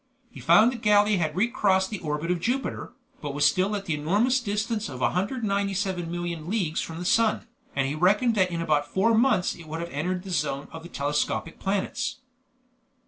He found that Gallia had re crossed the orbit of Jupiter, but was still at the enormous distance of 197,000,000 leagues from the sun, and he reckoned that in about four months it would have entered the zone of the telescopic planets.